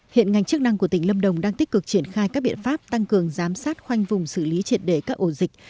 hiện ngành chức năng của tỉnh lâm đồng đang tích cực triển khai các biện pháp tăng cường giám sát khoanh vùng xử lý triệt đề các ổ dịch